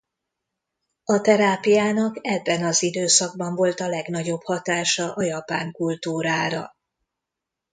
A terápiának ebben az időszakban volt a legnagyobb hatása a japán kultúrára.